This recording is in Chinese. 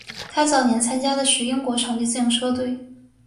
他早年参加的是英国场地自行车队。